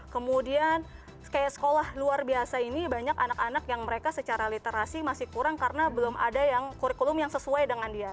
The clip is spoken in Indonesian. kemudian kayak sekolah luar biasa ini banyak anak anak yang mereka secara literasi masih kurang karena belum ada yang kurikulum yang sesuai dengan dia